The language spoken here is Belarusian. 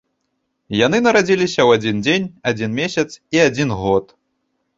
Яны нарадзіліся ў адзін дзень, адзін месяц і адзін год.